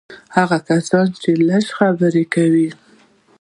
هغه کسان چې لږ خبرې کوي.